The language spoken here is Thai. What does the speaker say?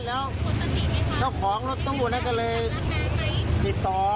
แล้วน้อของรถตู้ก็เลยติดต่อ